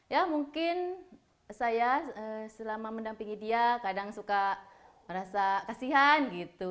ya mungkin saya selama mendampingi dia kadang suka merasa kasihan gitu